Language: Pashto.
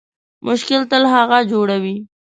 مشکل تل هغه جوړوي